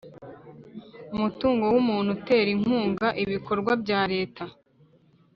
Umutungo w umuntu utera inkunga ibikorwa bya leta